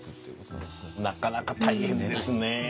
なかなか大変ですね。